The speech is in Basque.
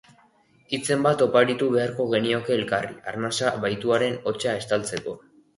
Hitzen bat oparitu beharko genioke elkarri arnasa bahituaren hotsa estaltzeko.